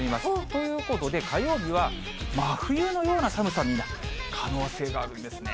ということで火曜日は真冬のような寒さになる可能性があるんですね。